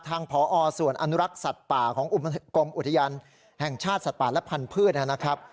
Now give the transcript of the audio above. ทางพอส่วนอนุรักษ์สัตว์ป่าของกรมอุทยานแห่งชาติสัตว์ป่าและพันธุ์นะครับ